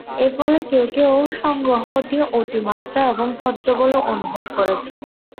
এর ফলে কেউ কেউ সংগ্রহটি অতিমাত্রায় এবং ভদ্র বলে অনুভব করেছে।